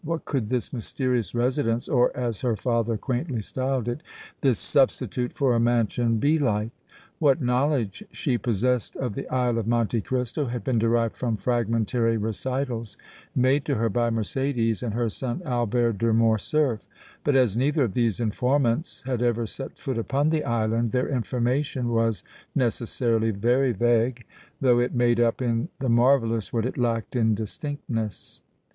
What could this mysterious residence, or, as her father quaintly styled it, this substitute for a mansion be like? What knowledge she possessed of the Isle of Monte Cristo had been derived from fragmentary recitals made to her by Mercédès and her son Albert de Morcerf, but as neither of these informants had ever set foot upon the island their information was necessarily very vague, though it made up in the marvellous what it lacked in distinctness.